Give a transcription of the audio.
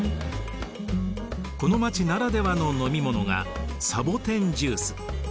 この街ならではの飲み物がサボテンジュース。